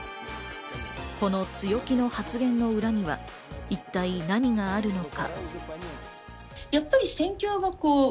この強気の発言の裏には一体何があるのか？